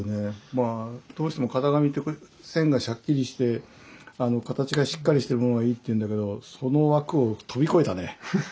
まあどうしても型紙って線がしゃっきりして形がしっかりしてるものがいいっていうんだけどその枠を飛び越えたね。